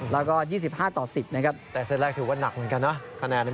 ๒๕๑๐แล้วก็๒๕๑๐แต่เส้นแรกถือว่านักเหมือนกันเนอะ